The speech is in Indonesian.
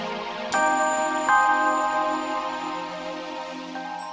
saya tidak akan predikirkan dunia atheros dan saya peroleh bayaran sallookan